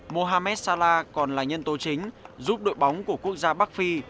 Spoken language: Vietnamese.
mohamed salah còn là nhân tố chính giúp đội bóng của quốc gia bắc phi